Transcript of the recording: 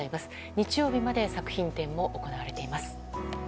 日曜日まで作品展も行われています。